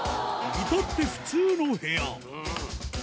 至って普通の部屋